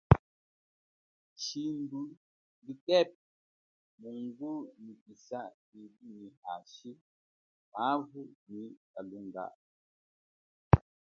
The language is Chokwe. Shimbu likepe mungunyikisa lilu nyi hashi, mavu nyi kalunga lwiji.